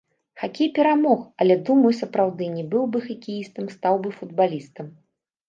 Хакей перамог, але думаю, сапраўды, не быў бы хакеістам, стаў бы футбалістам.